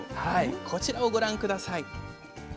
こちらをご覧下さい。